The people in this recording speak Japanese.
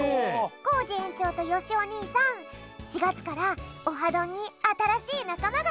コージえんちょうとよしおにいさん４がつから「オハどん」にあたらしいなかまがくるんだよね。